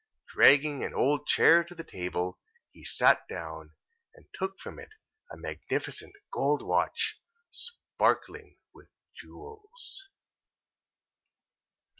Dragging an old chair to the table, he sat down; and took from it a magnificent gold watch, sparkling with jewels.